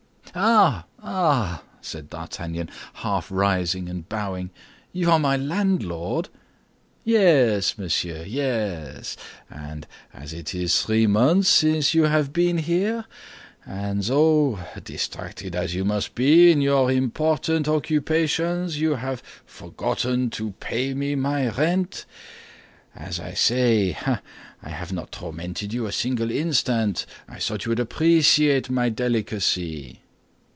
"Ah, ah!" said D'Artagnan, half rising and bowing; "you are my landlord?" "Yes, monsieur, yes. And as it is three months since you have been here, and though, distracted as you must be in your important occupations, you have forgotten to pay me my rent—as, I say, I have not tormented you a single instant, I thought you would appreciate my delicacy."